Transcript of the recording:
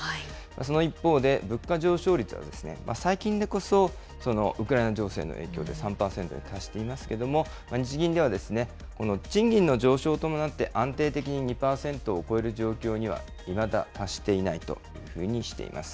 その一方で、物価上昇率は最近でこそウクライナ情勢の影響で３％に達していますけれども、日銀では、この賃金の上昇を伴って安定的に２％を超える状況には、いまだ達していないというふうにしています。